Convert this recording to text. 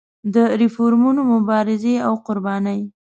د ریفورمونو مبارزې او قربانۍ.